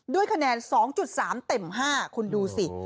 ด้วยคะแนน๒๓เต็ม๕คุณดูสิ